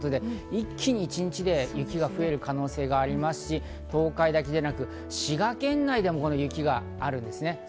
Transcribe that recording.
一気に一日で雪が増える可能性がありますし、東海だけでなく滋賀県内でも雪があるんですね。